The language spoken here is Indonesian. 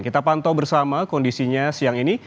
kita pantau bersama kondisinya siang ini